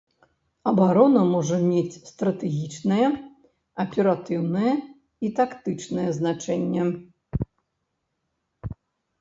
Абарона можа мець стратэгічнае, аператыўнае і тактычнае значэнне.